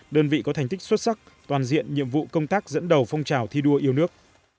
đơn vị có thành tích xuất sắc toàn diện nhiệm vụ công tác dẫn đầu phong trào thi đua yêu nước